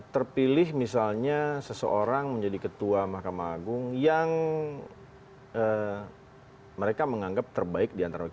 terpilih misalnya seseorang menjadi ketua mahkamah agung yang mereka menganggap terbaik di antara mereka